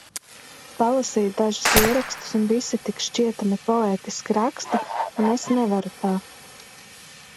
Palasīju dažus ierakstus un visi tik šķietami poētiski raksta un es nevaru tā.